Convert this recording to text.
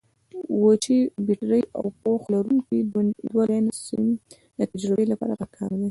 وچې بټرۍ او پوښ لرونکي دوه لینه سیم د تجربې لپاره پکار دي.